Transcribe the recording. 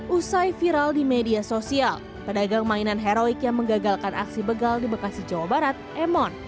usai viral di media sosial pedagang mainan heroik yang menggagalkan aksi begal di bekasi jawa barat emon